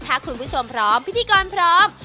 ถ้าคุณผู้ชมพร้อมพิธีกรพร้อม